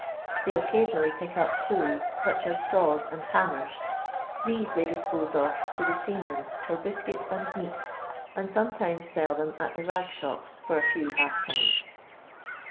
They oc casionally pick up tools, 5uch as saws and ham mers; these they dispose of to the seamen for biscuit and meat, and sometimes sell them at the rag shops for a few halfpence.